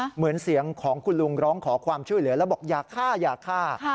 เหมือนเสียงของคุณลุงร้องขอความช่วยเหลือแล้วบอกอย่าฆ่าอย่าฆ่า